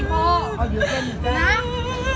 เมื่อ